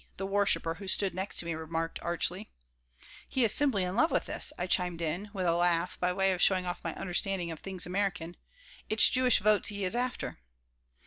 the worshiper who stood next to me remarked, archly "He is simply in love with us," I chimed in, with a laugh, by way of showing off my understanding of things American. "It's Jewish votes he is after."